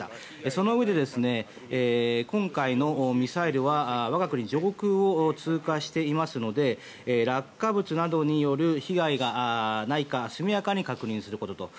そのうえで、今回のミサイルは我が国上空を通過していますので落下物などによる被害がないか速やかに確認することと。